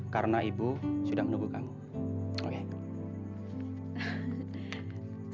karena ibu sudah menunggu kamu oke